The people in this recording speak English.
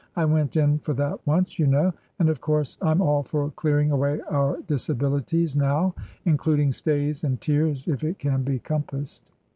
" I went in for that once, you know. And of course Fm all for clearing away our * disabilities' now — including stays and tears, if it can be compassed.